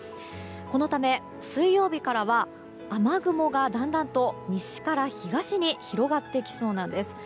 このため、水曜日からは雨雲がだんだんと西から東に広がってきそうなんです。